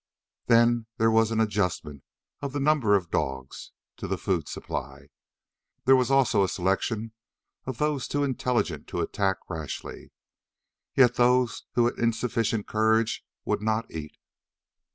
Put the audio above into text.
Then there was an adjustment of the number of dogs to the food supply. There was also a selection of those too intelligent to attack rashly. Yet those who had insufficient courage would not eat.